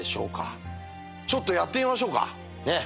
ちょっとやってみましょうかねっ。